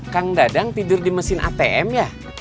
kang dadang tidur di mesin atm ya